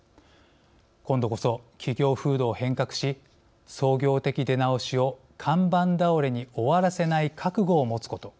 今度こそ企業風土を変革し創業的出直しを看板倒れに終わらせない覚悟を持つこと。